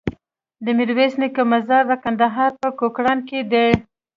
د ميرويس نيکه مزار د کندهار په کوکران کی دی